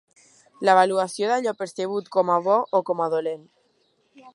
L'avaluació d'allò percebut com a bo o com a dolent.